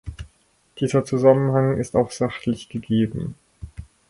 Dieser Zusammenhang ist auch sachlich gegeben.